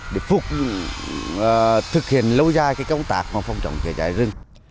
để phục thực hiện lâu dài công tác phòng trọng chảy rừng